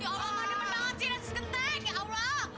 ya allah mana menang cilas genteng ya allah